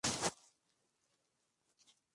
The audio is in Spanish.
Creció en Elgin, graduándose en el Instituto Elgin.